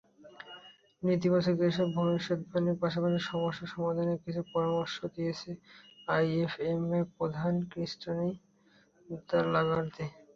নেতিবাচক এসব ভবিষ্যদ্বাণীর পাশাপাশি সমস্যা সমাধানে কিছু পরামর্শও দিয়েছেন আইএমএফ-প্রধান ক্রিস্টিন লাগার্দে।